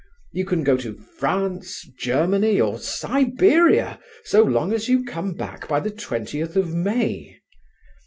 You can go to France, Germany or Siberia so long as you come back by the twentieth of May.